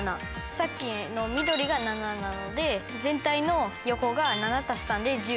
さっきの緑が７なので全体の横が７＋３で１０。